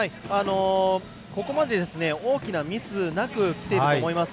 ここまで大きなミスなくきていると思います。